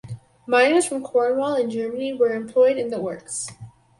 Miners from Cornwall and Germany were employed in the works.